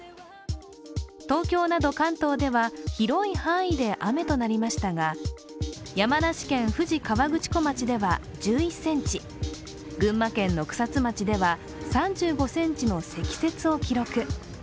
東京など関東では広い範囲で雨となりましたが山梨県・富士河口湖町では１１ｃｍ群馬県の草津町では３５ｃｍの積雪を記録。